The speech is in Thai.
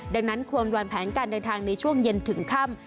ดังนั้นควรวางแผนการเดินทางในช่วงเย็นถึงค่ำ